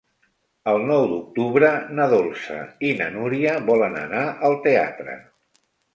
El nou d'octubre na Dolça i na Núria volen anar al teatre.